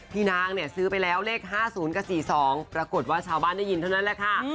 นางเนี่ยซื้อไปแล้วเลข๕๐กับ๔๒ปรากฏว่าชาวบ้านได้ยินเท่านั้นแหละค่ะ